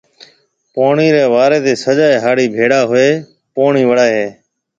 پوڻِي ريَ واريَ تي سجا هاڙِي ڀيڙا هوئي پوڻِي وڙائي هيَ۔